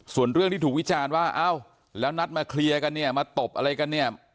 ส่วนเรื่องที่ถูกวิจารณ์ว่าเอ้าแล้วนัดมาเคลียร์กันเนี่ยมาตบอะไรกันเนี่ย